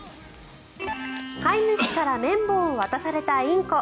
飼い主から綿棒を渡されたインコ。